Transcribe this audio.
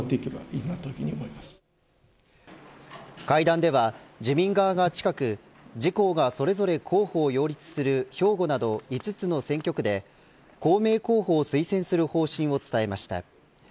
会談では自民側が近く自公がそれぞれ候補を擁立する兵庫など５つの選挙区で公明候補を推薦する方針を伝えました。